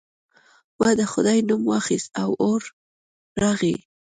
ما د خدای نوم واخیست او اور راغی.